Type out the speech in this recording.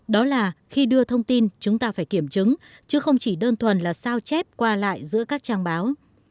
đó là khi đưa thông tin chúng ta phải kiểm chứng chứ không chỉ đơn thuần là sao chép qua lại giữa các trang báo